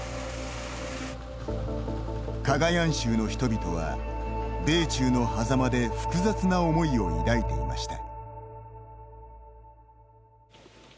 カガヤン州の人々は米中のはざまで複雑な思いを抱いていました。